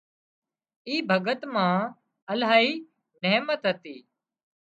اي ڀڳت مان الاهي نحمت هتي